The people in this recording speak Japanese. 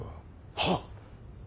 はっ。